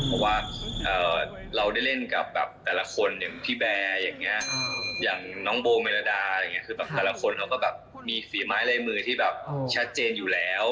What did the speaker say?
เพราะว่าเราได้เล่นกับแต่ละคนอย่างพี่แบร์อย่างน้องโบเมรดาแต่ละคนมีฝีม้ายไร้มือที่แบบชัดเจนอยู่แล้ว